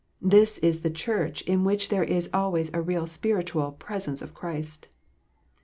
This is the Church in which there is always a real spiritual " presence " of Christ.